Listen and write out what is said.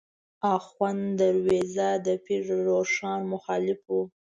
آخوند دروېزه د پیر روښان مخالف و.